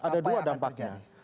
ada dua dampaknya